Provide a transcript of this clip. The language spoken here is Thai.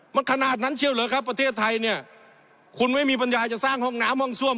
มันขนาดนั้นเชียวเหรอครับประเทศไทยเนี่ยคุณไม่มีปัญญาจะสร้างห้องน้ำห้องซ่วม